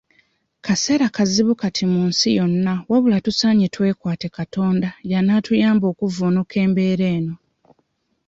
Kaseera kazibu kati mu nsi yonna wabula tusaanye twekwate Katonda y'anaatuyamba okuvvuunuka embeera eno.